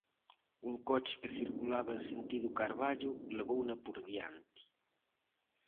Un coche que circulaba en sentido Carballo levouna por diante.